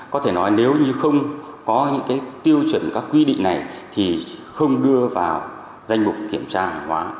có thể nói nếu như không có những cái tiêu chuẩn các quy định này thì không đưa vào danh mục kiểm tra hàng hóa